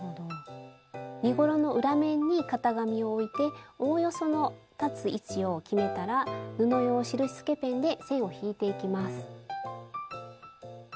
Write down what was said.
スタジオ身ごろの裏面に型紙を置いておおよその裁つ位置を決めたら布用印つけペンで線を引いていきます。